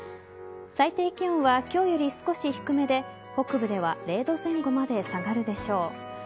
最低気温は今日より少し低めで北部では０度前後まで下がるでしょう。